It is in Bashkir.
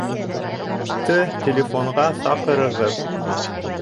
...-ты телефонға саҡырығыҙ